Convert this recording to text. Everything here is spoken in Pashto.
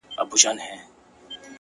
سترگي مي ړندې سي رانه وركه سې ـ